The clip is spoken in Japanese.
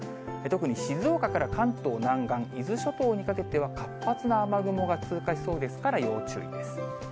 特に静岡から関東南岸、伊豆諸島にかけては、活発な雨雲が通過しそうですから、要注意です。